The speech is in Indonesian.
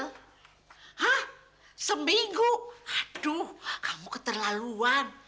hah seminggu aduh kamu keterlaluan